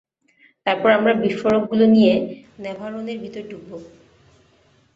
তারপর আমরা বিস্ফোরকগুলো নিয়ে ন্যাভারোনের ভিতর ঢুকবো।